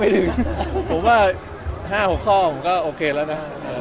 ผมว่า๕๖ข้อผมก็โอเคแล้วนะ